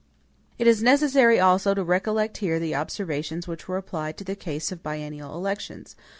It is necessary also to recollect here the observations which were applied to the case of biennial elections.